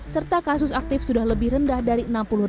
serta kasus aktif sudah lebih rendah dari enam puluh delapan